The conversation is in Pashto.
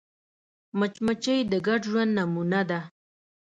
مچمچۍ د ګډ ژوند نمونه ده